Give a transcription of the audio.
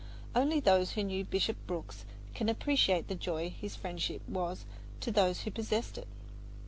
Only those who knew Bishop Brooks can appreciate the joy his friendship was to those who possessed it.